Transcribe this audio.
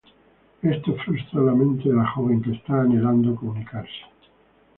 Esto frustra la mente de la joven, que está anhelando comunicarse.